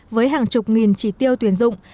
với hàng chục nghìn chỉ tiêu tuyển dụng